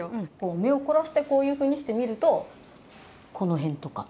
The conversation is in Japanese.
目を凝らしてこういうふうにして見るとこの辺とか。